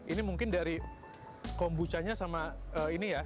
ini mungkin dari kombuchanya sama ini ya